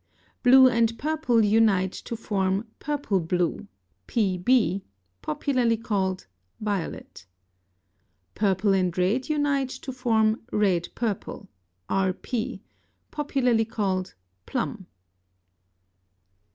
Blue and purple unite to form purple blue (PB), popularly called violet. Purple and red unite to form red purple (RP), popularly called plum.